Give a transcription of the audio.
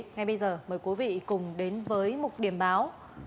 ngay bây giờ mời quý vị cùng đến với mục điểm báo